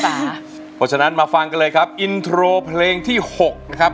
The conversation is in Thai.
เพราะฉะนั้นมาฟังกันเลยครับอินโทรเพลงที่๖นะครับ